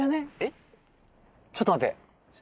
ちょっと待って。